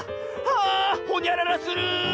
あほにゃららする！